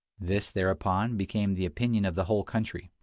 This, thereupon, became the opinion of the whole country.